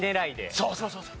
そうそうそうそう。